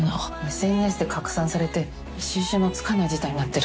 ＳＮＳで拡散されて収集のつかない事態になってる。